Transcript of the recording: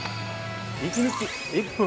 １日１分。